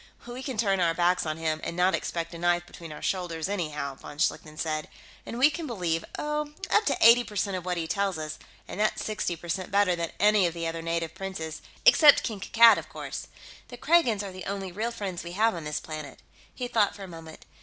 "We can turn our backs on him and not expect a knife between our shoulders, anyhow," von Schlichten said. "And we can believe, oh, up to eighty percent of what he tells us, and that's sixty percent better than any of the other native princes, except King Kankad, of course. The Kragans are the only real friends we have on this planet." He thought for a moment.